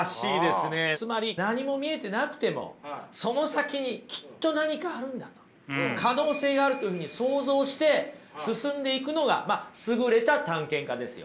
つまり何も見えてなくてもその先にきっと何かあるんだと可能性があるというふうに想像して進んでいくのが優れた探検家ですよね？